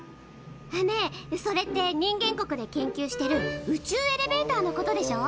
ねえそれって人間国で研究してる宇宙エレベーターのことでしょ？